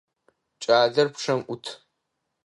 Кӏалэр пчъэм ӏут.